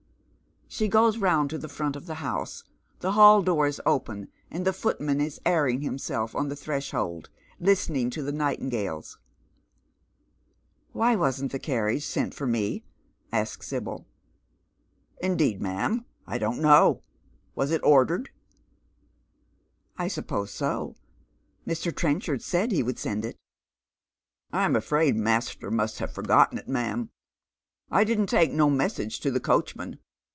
She goes roimd to the front of the house. The hall door is open, and the footman is airing himself on the threshold, listen^ ing to the nightingales. " WTiy wasn't the carriage sent for me ?" asks SibyL '* Indeed, ma'am, I don't know. Waa it ordered ?" 104 Dead Men's Shoee. " I suppose so. Mr. Trenchard said he would send it" " I'm afraid master must have forgotten, ma'am. I didn't take BO message to the coachman.